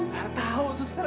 gak tahu suster